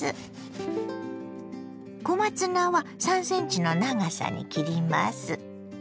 小松菜は３ｃｍの長さに切ります。